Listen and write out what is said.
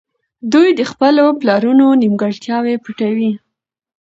دوی د خپلو پلرونو نيمګړتياوې پټوي.